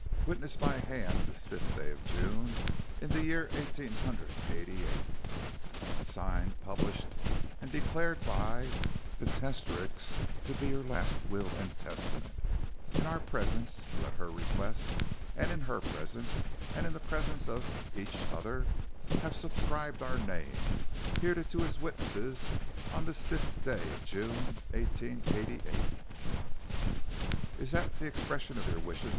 "Witness my hand this fifth day of June, in the year eighteen hundred and eighty eight. "Signed, published, and declared by the } Testatrix to be her last will and testament, } in our presence who, at her request and } in her presence and in the presence of } each other, have subscribed our names } hereto as witnesses, on this 5th day of } June, 1888. } "'Is that the expression of your wishes?'